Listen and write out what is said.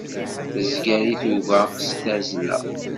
Tezger i tuga s tazzla.